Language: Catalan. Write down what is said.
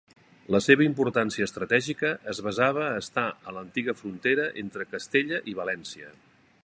La seva importància estratègica es basava a estar en l'antiga frontera entre Castella i València.